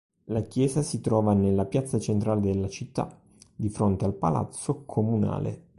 La chiesa si trova nella piazza centrale della città, di fronte al palazzo comunale.